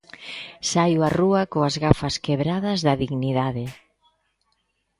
Saio a rúa coas gafas quebradas da dignidade.